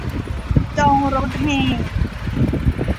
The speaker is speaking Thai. จองรถแห่